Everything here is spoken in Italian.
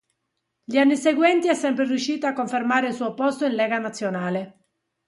Gli anni seguenti è sempre riuscita a confermare il suo posto in Lega Nazionale.